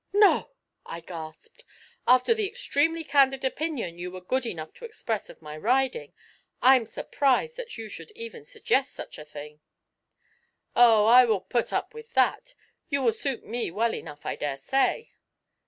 'No,' I gasped: 'after the extremely candid opinion you were good enough to express of my riding, I'm surprised that you should even suggest such a thing.' 'Oh, I will put up with that you will suit me well enough, I dare say.'